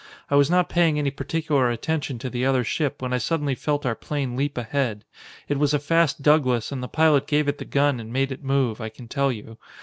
I was not paying any particular attention to the other ship when I suddenly felt our plane leap ahead. It was a fast Douglas and the pilot gave it the gun and made it move, I can tell you.